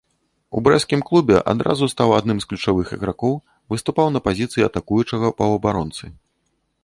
У брэсцкім клубе адразу стаў адным з ключавых ігракоў, выступаў на пазіцыі атакуючага паўабаронцы.